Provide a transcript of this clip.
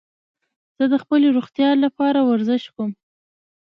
زه د خپلي روغتیا له پاره ورزش کوم.